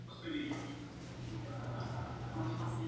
Tiene un color verde o verde ceniciento.